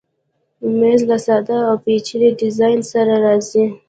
مېز له ساده او پیچلي ډیزاین سره راځي.